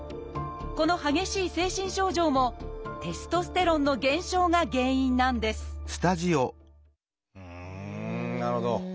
この激しい精神症状もテストステロンの減少が原因なんですうんなるほど。